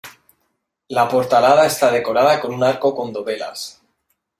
La portalada está decorada con un arco con dovelas.